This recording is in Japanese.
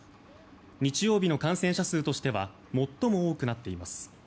日曜日の感染者数としては最も多くなっています。